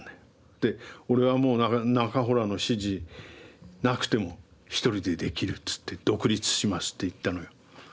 で「俺はもう中洞の指示なくても一人でできる」っつって「独立します」って言ったのよ。